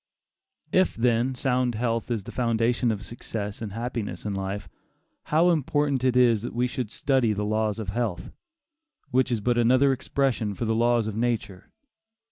If, then, sound health is the foundation of success and happiness in life, how important it is that we should study the laws of health, which is but another expression for the laws of nature!